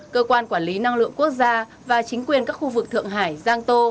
cơ quan quản lý năng lượng quốc gia và chính quyền các khu vực thượng hải giang tô